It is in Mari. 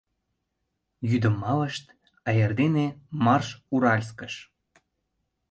Йӱдым малышт, а эрдене - марш Уральскыш!..